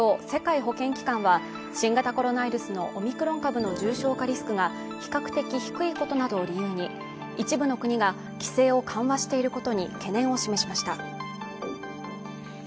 ＷＨＯ＝世界保健機関は新型コロナウイルスのオミクロン株の重症化リスクが比較的低いことなどを理由に一部の国が規制を緩和していることに懸念を示しました。